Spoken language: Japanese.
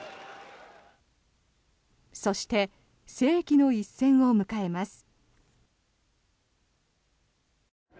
そして、世紀の一戦を迎えます。